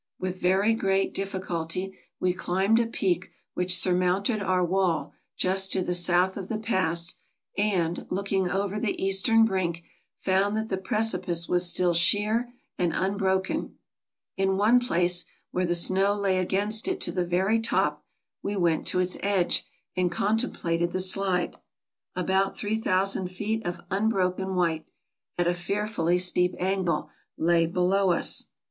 With very great diffi culty we climbed a peak which surmounted our wall just to the south of the pass, and, looking over the eastern brink, found that the precipice was still sheer and unbroken. In one place, where the snow lay against it to the very top, we went to its edge and contemplated the slide. About 3000 feet of unbroken white, at a fearfully steep angle, lay below us.